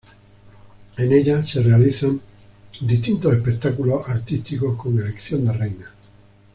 En ella se realizan distintos espectáculos artísticos con elección de reina.